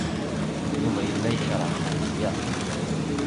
Yuba yella yekṛeh Dahbiya.